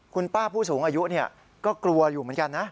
คุณป้าผู้สูงอายุก็กลัวอยู่เหมือนกันนะ